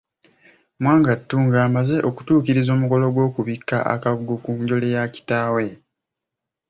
Mwanga II ng'amaze okutuukiriza omukolo ogw'okubikka akabugo ku njole ya kitaawe.